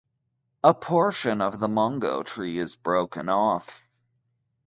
A portion of the mango tree is broken off.